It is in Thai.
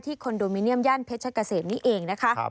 ที่คอนโดมิเนียมย่านเพชรเกษมนี้เอง